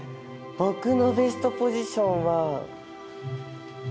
僕のベストポジションは。